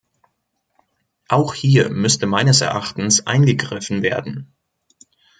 Auch hier müsste meines Erachtens eingegriffen werden.